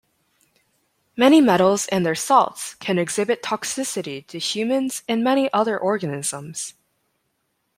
Many metals and their salts can exhibit toxicity to humans and many other organisms.